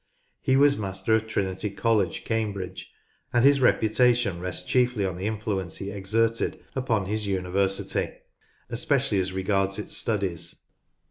He was Master of Trinity College, Cam bridge, and his reputation rests chiefly on the influence he exerted upon his university, especially as regards its studies.